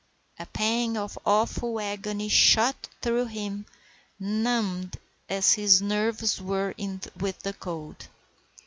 A pang of awful agony shot through him, numbed as his nerves were with the cold.